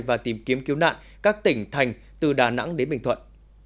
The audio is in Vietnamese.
và tìm kiếm cứu nạn các tỉnh thành từ đà nẵng đến bình thuận